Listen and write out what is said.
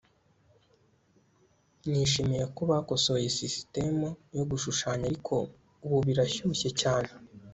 nishimiye ko bakosoye sisitemu yo gushyushya, ariko ubu birashyushye cyane